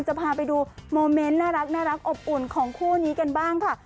จะพาไปดูโมเมนต์น่ารักอบอุ่นของคู่นี้กันบ้างค่ะ